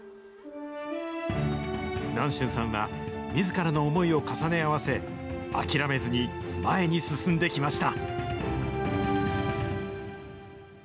南春さんは、みずからの思いを重ね合わせ、諦めずに前に進んできました。